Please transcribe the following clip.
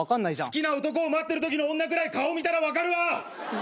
好きな男を待ってるときの女ぐらい顔見たら分かるわ！